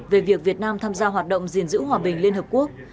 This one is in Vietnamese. về việc việt nam tham gia hoạt động gìn giữ hòa bình liên hợp quốc